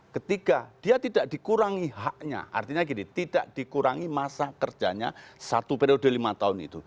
ketiga dia tidak dikurangi haknya artinya gini tidak dikurangi masa kerjanya satu periode lima tahun itu